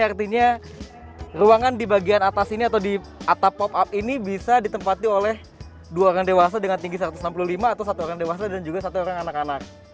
artinya ruangan di bagian atas ini atau di atap pop up ini bisa ditempati oleh dua orang dewasa dengan tinggi satu ratus enam puluh lima atau satu orang dewasa dan juga satu orang anak anak